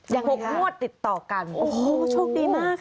หกงวดติดต่อกันโอ้โหโชคดีมากค่ะ